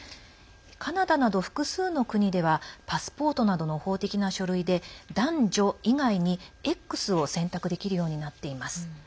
カナダなど複数の国ではパスポートなどの法的な書類で男女以外に、Ｘを選択できるようになっています。